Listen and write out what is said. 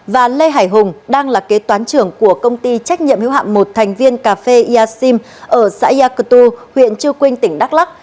và lê hải hùng đang là kế toán trưởng của công ty trách nhiệm hiếu hạm một thành viên cà phê yassim ở xã yakutu huyện chư quynh tỉnh đắk lắc